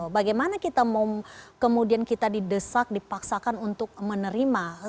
bagaimana kita mau kemudian kita didesak dipaksakan untuk menerima